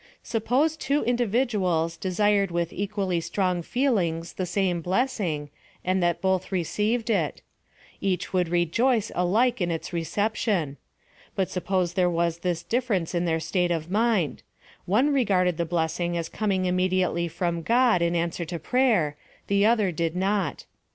Sup poo^ two individuals desired with equally strong feelings the same blessing, and that both received it ; each would rejoice alike in its reception : but sup pose there was this difference in their state of mind : one regarded the blessing as coming immediately from God in answer to prayer, the other did not.